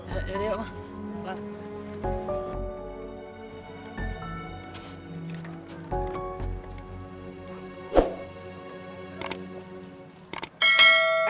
ya udah yaudah